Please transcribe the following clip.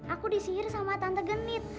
aku disiir sama tante genit